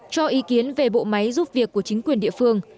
cho ý kiến về bộ máy giúp việc của chính quyền địa phương